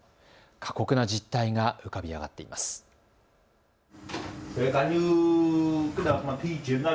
過酷な実態が浮かび上がっています。